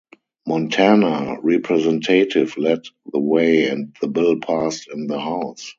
Montana representative led the way and the bill passed in the House.